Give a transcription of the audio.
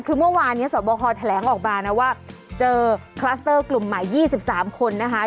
คือเมื่อวานนี้สวบคอแถลงออกมานะว่าเจอคลัสเตอร์กลุ่มใหม่๒๓คนนะคะ